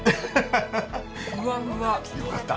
よかった。